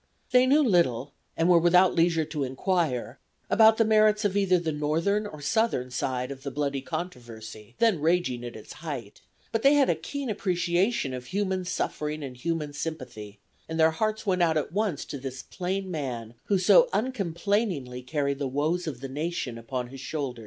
They knew little, and were without leisure to inquire, about the merits of either the Northern or Southern side of the bloody controversy then raging at its height, but they had a keen appreciation of human suffering and human sympathy, and their hearts went out at once to this plain man who so uncomplainingly carried the woes of the nation upon his shoulders.